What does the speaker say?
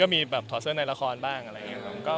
มีแบบถอดเสื้อในละครบ้างอะไรอย่างนี้ครับ